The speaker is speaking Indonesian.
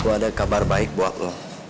oh ada kabar baik buat lo